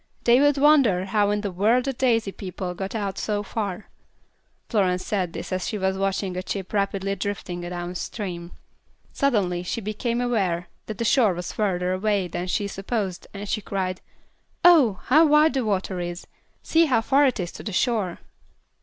They would wonder how in the world the daisy people got out so far." Florence said this as she was watching a chip rapidly drifting down stream. Suddenly she became aware that the shore was further away than she supposed, and she cried, "Oh, how wide the water is! See how far it is to the shore."